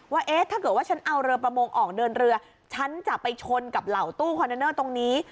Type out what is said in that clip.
ว่าเอ๊ะถ้าเกิดว่าฉันเอาเรือประมงออกเดินเรือฉันจะไปชนกับเหล่าตู้คอนเทนเนอร์ตรงนี้